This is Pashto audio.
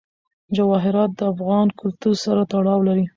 جواهرات د افغان کلتور سره تړاو لري.